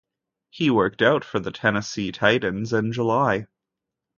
He worked out for the Tennessee Titans in July.